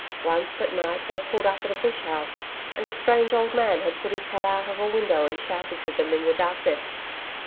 Once at night they pulled up at a bush house, and a strange old man had put his head out of a window and shouted to them in the darkness.